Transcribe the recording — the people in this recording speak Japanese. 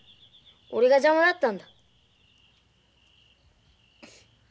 俺が邪魔だったんだ。